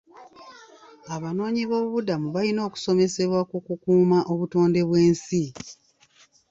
Abanoonyiboobubudamu balina okusomesebwa ku kukuuma obutonde bw'ensi.